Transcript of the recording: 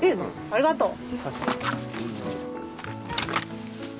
ありがとう！